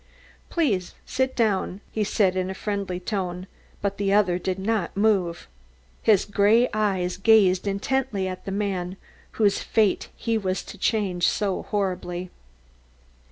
"Please sit down," he said in a friendly tone, but the other did not move. His grey eyes gazed intently at the man whose fate he was to change so horribly.